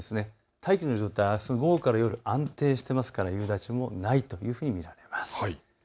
大気の状態、あす午後から夜、安定していますから夕立もないと見られます。